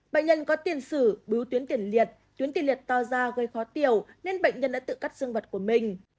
bệnh nhân có tiền sử bứu tuyến tiền liệt tuyến tiền liệt to ra gây khó tiểu nên bệnh nhân đã tự cắt dương vật của mình